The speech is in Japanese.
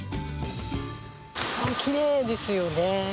きれいですよね。